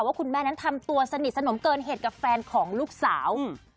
ว่าคุณแม่นั้นทำตัวสนิทสนมเกินเหตุกับแฟนของลูกสาว